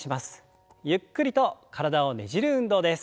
ゆっくりと体をねじる運動です。